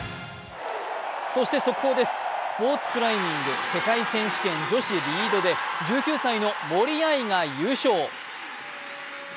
そして速報ですスポ−ツクライミング世界選手権女子リードで１９歳の森秋彩が優勝。